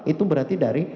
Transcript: itu berarti dari